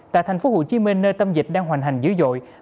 tại thành phố hồ chí minh nơi tâm dịch đang hoành hành dữ dội